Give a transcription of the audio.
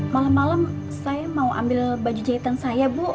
malam malam saya mau ambil baju jahitan saya bu